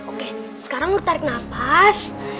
oke sekarang mau tarik nafas